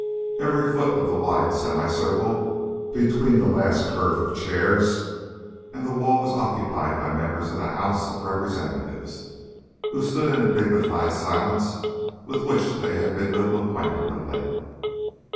Every foot of the wide semicircle between the last curve of chairs and the wall was occupied by members of the House of Representatives, who stood in a dignified silence with which they had been little acquainted of late.